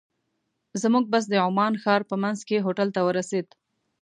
زموږ بس د عمان ښار په منځ کې هوټل ته ورسېد.